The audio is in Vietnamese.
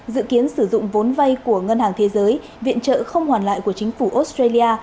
dự kiến sử dụng vốn vay của ngân hàng thế giới viện trợ không hoàn lại của chính phủ australia